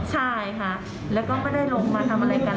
ใช่ค่ะแล้วก็ไม่ได้ลงมาทำอะไรกัน